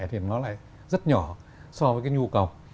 thì nó lại rất nhỏ so với cái nhu cầu